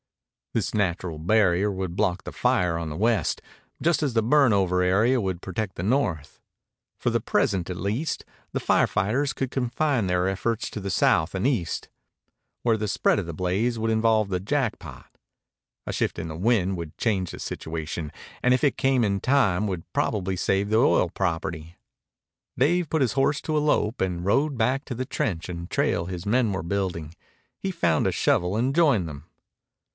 This natural barrier would block the fire on the west, just as the burnt over area would protect the north. For the present at least the fire fighters could confine their efforts to the south and east, where the spread of the blaze would involve the Jackpot. A shift in the wind would change the situation, and if it came in time would probably save the oil property. Dave put his horse to a lope and rode back to the trench and trail his men were building. He found a shovel and joined them.